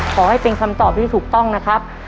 ขอให้เป็นคำตอบที่ถูกต้องนะครับ